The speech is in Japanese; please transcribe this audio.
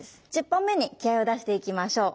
１０本目に気合いを出していきましょう。